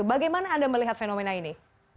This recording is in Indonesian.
bagaimana anda melihat fenomena ini